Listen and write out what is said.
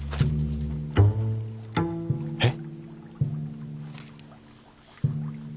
えっ。